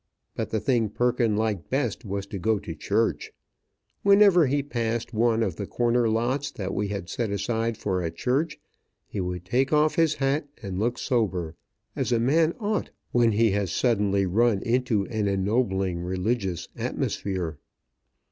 But the thing Perkins liked best was to go to church. Whenever he passed one of the corner lots that we had set aside for a church, he would take off his hat and look sober, as a man ought when he has suddenly run into an ennobling religious atmosphere.